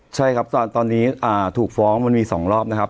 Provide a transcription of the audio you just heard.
ใช่ครับตอนนี้ถูกฟ้องมันมี๒รอบนะครับ